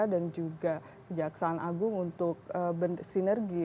dan juga kejaksaan agung untuk sinergi